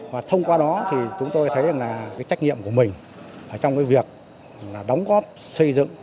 và thông qua đó thì chúng tôi thấy là cái trách nhiệm của mình trong cái việc là đóng góp xây dựng